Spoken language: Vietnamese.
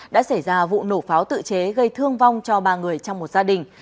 đã xảy ra vụ nổ pháo tự chế gây thương vong cho ba người trong một gia đình